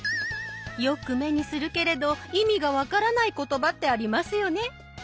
よく目にするけれど意味が分からない言葉ってありますよね？